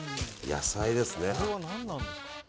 野菜ですね。